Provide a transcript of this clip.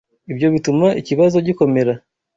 Ibyo bituma ikibazo gikomera.